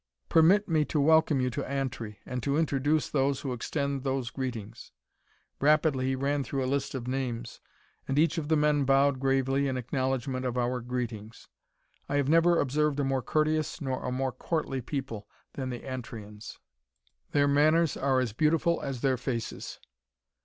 "Permit me to welcome you to Antri, and to introduce those who extend those greetings." Rapidly, he ran through a list of names, and each of the men bowed gravely in acknowledgment of our greetings. I have never observed a more courteous nor a more courtly people than the Antrians; their manners are as beautiful as their faces.